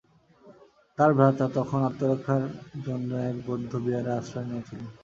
তাঁর ভ্রাতা তখন আত্মরক্ষার জন্য এক বৌদ্ধ বিহারে আশ্রয় নিয়েছিলেন।